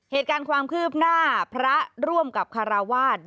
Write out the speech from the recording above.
เหตุการณ์ความคืบหน้าพระร่วมกับคาราวาส